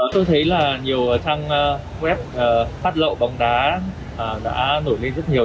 tôi thấy là nhiều trang web phát lậu bóng đá đã nổi lên rất nhiều